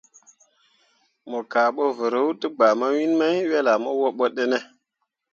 Mo kah bo vǝrǝǝ te gbana mawiin mai wel ah mo wobo ɗǝne ?